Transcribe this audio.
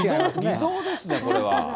偽造ですね、これは。